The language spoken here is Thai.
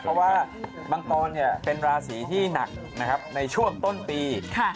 เพราะว่ามังกรเป็นราศีที่หนักนะครับในช่วงต้นปี